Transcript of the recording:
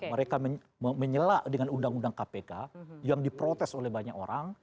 mereka menyelak dengan undang undang kpk yang diprotes oleh banyak orang